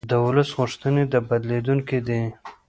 د ولس غوښتنې بدلېدونکې دي